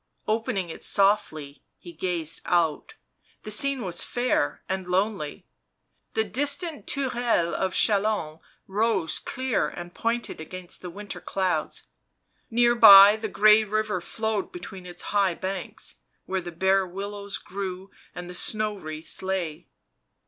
Opening it softly, he gazed out ; the scene was fair and lonely — the distant tourelles of Chalons rose clear and pointed against the winter clouds ; near by the grey river flowed between its high banks, where the bare willows grew and the snow wreaths still lay.